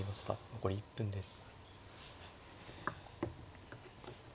残り１分です。